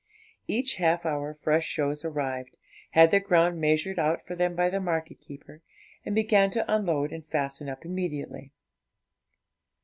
Each half hour fresh shows arrived, had their ground measured out for them by the market keeper, and began to unload and fasten up immediately.